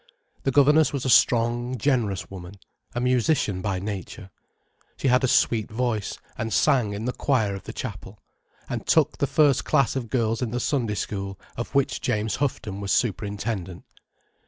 The governess was a strong, generous woman, a musician by nature. She had a sweet voice, and sang in the choir of the chapel, and took the first class of girls in the Sunday School of which James Houghton was Superintendent.